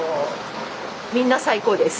みんな最高です。